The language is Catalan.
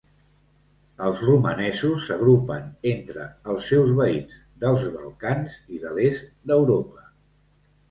Els romanesos s'agrupen entre els seus veïns dels Balcans i de l'est d'Europa.